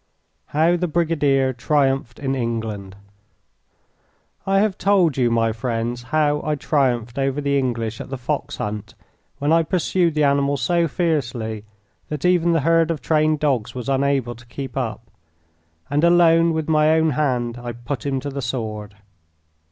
How the Brigadier Triumphed in England I have told you, my friends, how I triumphed over the English at the fox hunt when I pursued the animal so fiercely that even the herd of trained dogs was unable to keep up, and alone with my own hand I put him to the sword.